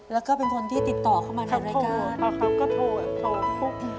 แล้วก็เป็นคนที่ติดต่อเข้ามาในรายการอ๋อเขาก็โทรแบบโทรปุ๊บ